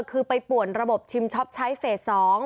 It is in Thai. คือไปป่วนระบบชิมช็อปใช้เฟส๒